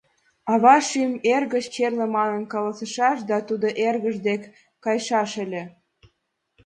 «Ава шӱм эргыч черле манын каласышаш да тудо эргыж дек кайышаш ыле...